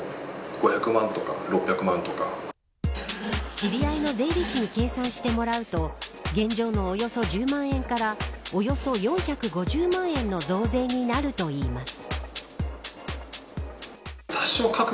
知り合いの税理士に計算してもらうと現状のおよそ１０万円からおよそ４５０万円の増税になるといいます。